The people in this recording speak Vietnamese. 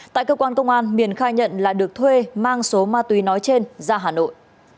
tại cơ quan công an miền khai nhận là được thuê mang số ma túy nói trên ra hà nội